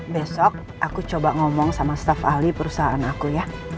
besok aku coba ngomong sama staf ahli perusahaan aku ya